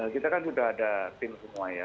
kita kan sudah ada tim semua ya